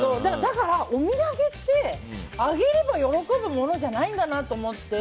だから、お土産ってあげれば喜ぶものじゃないんだと思って。